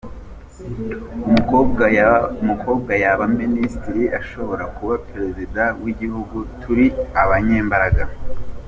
Umukobwa yaba Minisitiri, ashobora kuba Perezida w’Igihugu, turi abanyembaraga.